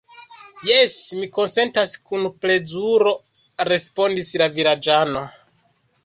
Jes, mi konsentas kun plezuro, respondis la vilaĝano.